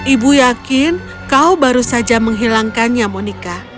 ibu yakin kau baru saja menghilangkannya monica